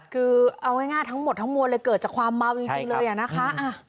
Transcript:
คือเอาง่ายทั้งหมดทั้งมวลเลยเกิดจากความเมาจริงเลยอะนะคะ